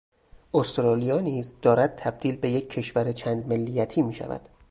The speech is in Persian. استرالیا نیز دارد تبدیل به یک کشور چند ملیتی میشود.